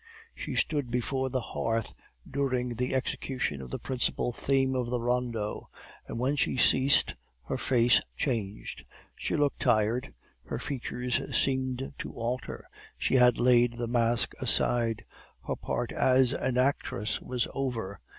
"She stood before the hearth during the execution of the principal theme of the rondo; and when she ceased her face changed. She looked tired; her features seemed to alter. She had laid the mask aside; her part as an actress was over.